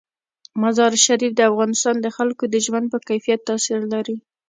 مزارشریف د افغانستان د خلکو د ژوند په کیفیت تاثیر لري.